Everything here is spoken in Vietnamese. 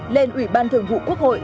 lên ủy ban thường vụ quốc hội